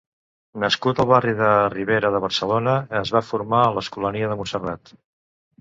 Nascut al barri de Ribera de Barcelona, es va formar a l'Escolania de Montserrat.